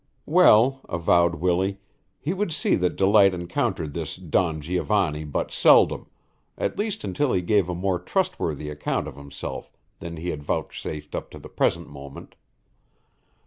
Well, avowed Willie, he would see that Delight encountered this Don Giovanni but seldom, at least until he gave a more trustworthy account of himself than he had vouchsafed up to the present moment.